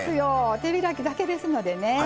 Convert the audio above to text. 手開きだけですもんね。